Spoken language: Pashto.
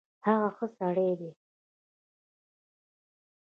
هغه ښۀ سړی ډی